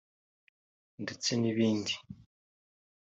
ndetse n’ibindi